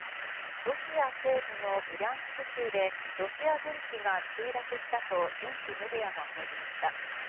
ロシア西部のブリャンスク州でロシア軍機が墜落したと現地メディアが報じました。